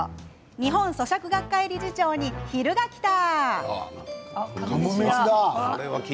日本咀嚼学会理事長に昼がきた！